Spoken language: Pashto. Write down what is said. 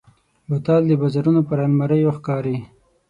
بوتل د بازارونو پر الماریو ښکاري.